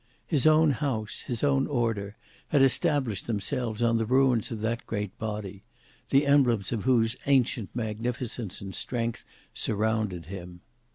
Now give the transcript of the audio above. His own house, his own order, had established themselves on the ruins of that great body, the emblems of whose ancient magnificence and strength surrounded him.